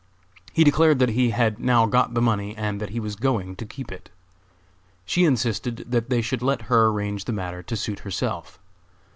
He declared that he had now got the money, and that he was going to keep it. She insisted that they should let her arrange the matter to suit herself.